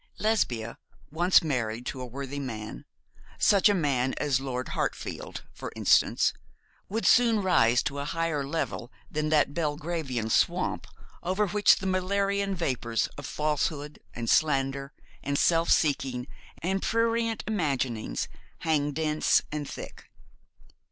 Lesbia, once married to a worthy man, such a man as Lord Hartfield, for instance, would soon rise to a higher level than that Belgravian swamp over which the malarian vapours of falsehood, and slander, and self seeking, and prurient imaginings hang dense and thick.